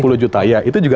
nah sepuluh juta itu